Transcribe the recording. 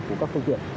của các phương tiện